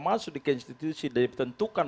masuk di konstitusi dan ditentukan